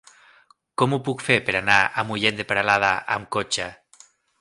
Com ho puc fer per anar a Mollet de Peralada amb cotxe?